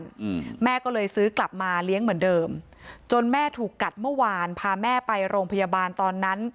อืมแม่ก็เลยซื้อกลับมาเลี้ยงเหมือนเดิมจนแม่ถูกกัดเมื่อวานพาแม่ไปโรงพยาบาลตอนนั้น